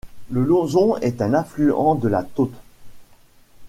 Le Lozon est un affluent de la Taute.